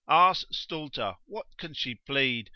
Ars stulta, what can she plead?